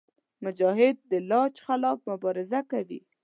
مجاهد د لالچ خلاف مبارزه کوي.